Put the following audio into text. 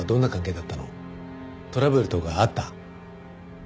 トラブルとかあった？